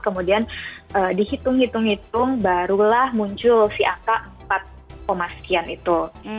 kemudian dihitung hitung hitung barulah muncul si angka empat sekian itu